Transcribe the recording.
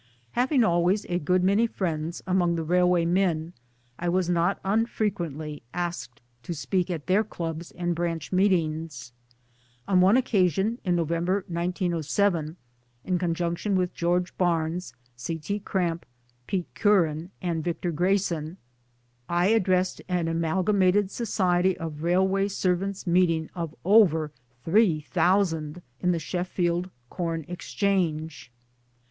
Having always a good many friends among Railway men I was not unfrequently asked to speak at their clubs and branch meetings. On one occasion in November 1907, in conjunction with George Barnes, C. T. Cramp, Pete Curran and Victor Grayson, I addressed an A.S.R.S. meeting of over three thousand in the Sheffield Corn Exchange.